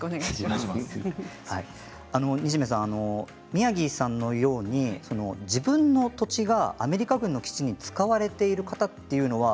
宮城さんのように自分の土地がアメリカ軍の基地に使われている方というのは